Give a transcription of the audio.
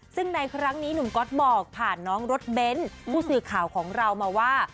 ซึ่งในครั้งนี้หนุ่มก๊อตบอกผ่านน้องรถเบ้นผู้สื่อข่าวของเรามาว่า